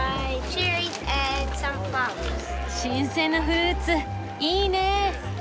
新鮮なフルーツいいね。